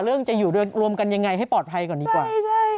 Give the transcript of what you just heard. จะอยู่รวมกันยังไงให้ปลอดภัยก่อนดีกว่า